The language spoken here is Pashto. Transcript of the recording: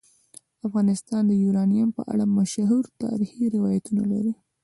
افغانستان د یورانیم په اړه مشهور تاریخی روایتونه لري.